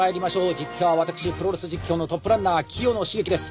実況は私プロレス実況のトップランナー清野茂樹です。